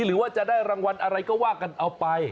หรือว่าจะได้รางวัลอะไรก็ว่ากันเอาไป